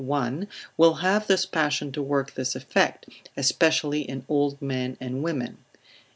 1, will have this passion to work this effect, especially in old men and women.